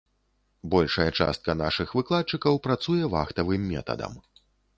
Большая частка нашых выкладчыкаў працуе вахтавым метадам.